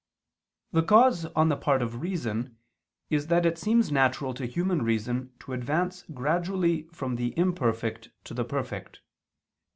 The cause on the part of reason is that it seems natural to human reason to advance gradually from the imperfect to the perfect.